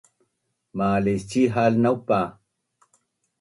Malisci’hal naupa